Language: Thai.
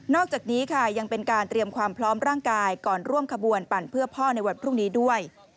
อกจากนี้ค่ะยังเป็นการเตรียมความพร้อมร่างกายก่อนร่วมขบวนปั่นเพื่อพ่อในวันพรุ่งนี้ด้วย